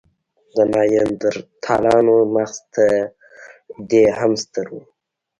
د نایندرتالانو مغز تر دې هم ستر و.